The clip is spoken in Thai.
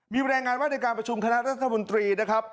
มีรายงานว่าในการประชุมคณะรัฐมนตรีนะครับ